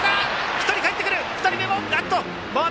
１人かえってくる！